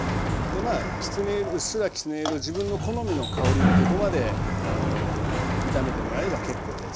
まあきつね色うっすらきつね色自分の好みの香りのとこまで炒めてもらえれば結構です。